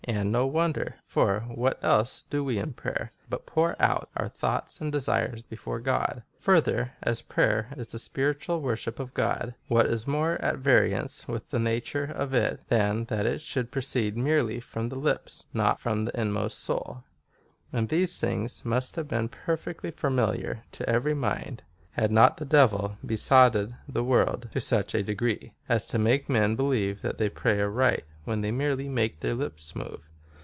And no wonder ; for what else do we in prayer, but pour out our thoughts and desires before God ? Farther, as prayer is the spiritual worship of God, what is more at variance with the nature of it, than that it should proceed merely from the lips, and not from the inmost soul ? And these things must have been perfectly familiar to every mind, had not the devil besotted the world to such a degree, as to make men believe that they pray aright, when they merely make their lips move.